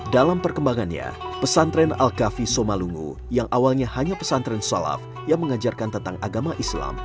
dalam perkembangannya pesantren al kafi somalungu yang awalnya hanya pesantren syalaf yang mengajarkan tentang agama islam